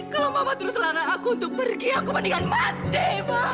kalau mama terus larang aku untuk pergi aku mendingan mati ma